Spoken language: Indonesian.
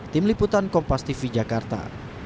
tim liputan kompas tv jakarta